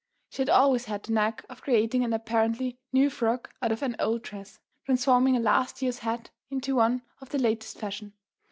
She had always had the knack of creating an apparently new frock out of an old dress, transforming a last year's hat into one of the latest fashion.